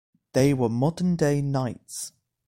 They were modern-day knights.